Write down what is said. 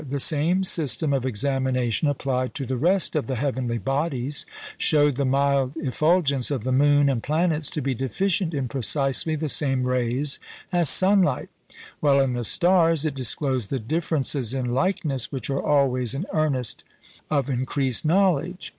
The same system of examination applied to the rest of the heavenly bodies showed the mild effulgence of the moon and planets to be deficient in precisely the same rays as sunlight; while in the stars it disclosed the differences in likeness which are always an earnest of increased knowledge.